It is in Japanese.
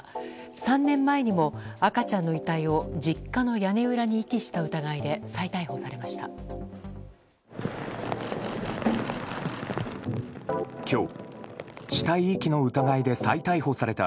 ３年前にも赤ちゃんの遺体を実家の屋根裏に遺棄した疑いで再逮捕されました。